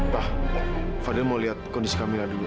pak fadil mau lihat kondisi kamera dulu